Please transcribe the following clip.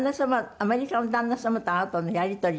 アメリカの旦那様とあなたのやり取りは何で？